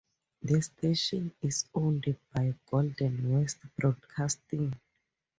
The station is owned by Golden West Broadcasting.